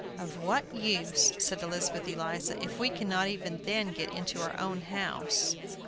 "Of what use," said Elizabeth Eliza, "if we cannot even then get into our own house?"